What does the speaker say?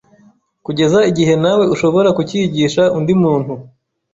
kugeza igihe nawe ushobora kucyigisha undi muntu